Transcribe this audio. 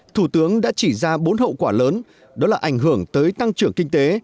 thủ tướng đã chỉ ra bốn hậu quả lớn đó là ảnh hưởng tới tăng trưởng kinh tế